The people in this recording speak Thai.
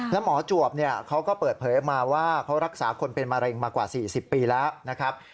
แล้วหมอจวบเขาก็เปิดเผยออกมาว่าเขารักษาคนเป็นมะเร็งมากว่า๔๐ปีแล้วนะครับ